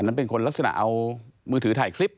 นั้นเป็นคนลักษณะเอามือถือถ่ายคลิป